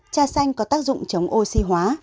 trà xanh có tác dụng chống oxy hóa